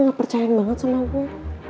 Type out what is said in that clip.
gak percaya banget sama gue